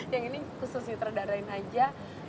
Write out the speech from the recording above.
yang ini fokus di terdarahin aja